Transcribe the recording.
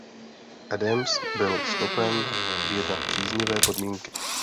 Adams byl schopen vyjednat příznivé podmínky.